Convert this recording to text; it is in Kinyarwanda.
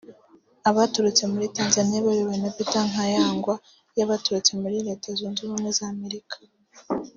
abaturutse muri Tanzania bayobowe na Peter Nkayagwa n’abaturutse muri Leta Zunze Ubumwe za Amerika